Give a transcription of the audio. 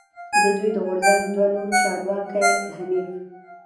د دوی د غورځنګ دوه نور چارواکی حنیف